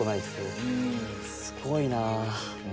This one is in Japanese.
すごいなぁ。